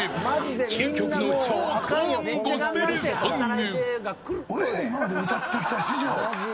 究極の超高音ゴスペルソング。